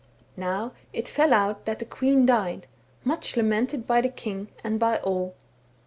Now it fell out that the queen died, much lamented by the king, and by all.